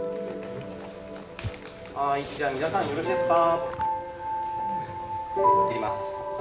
はいじゃあ皆さんよろしいですか？